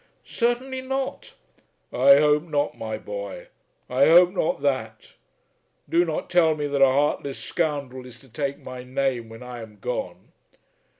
"Certainly not." "I hope not, my boy; I hope not that. Do not tell me that a heartless scoundrel is to take my name when I am gone."